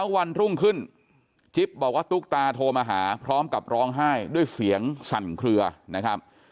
วันรุ่งขึ้นจิ๊บบอกว่าตุ๊กตาโทรมาหาพร้อมกับร้องไห้ด้วยเสียงสั่นเคลือนะครับ